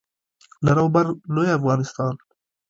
لر او بر لوی افغانستان